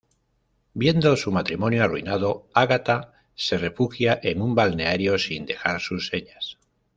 Viendo su matrimonio arruinado, Agatha se refugia en un balneario sin dejar sus señas.